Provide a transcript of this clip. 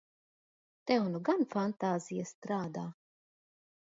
Tev nu gan fantāzija strādā!